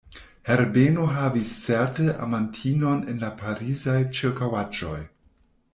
Herbeno havis certe amantinon en la Parizaj ĉirkaŭaĵoj.